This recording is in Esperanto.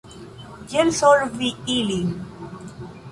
Kiel solvi ilin?